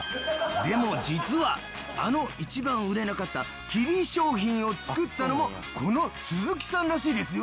でも実はあの一番売れなかったキリ商品を作ったのもこの鈴木さんらしいですよ。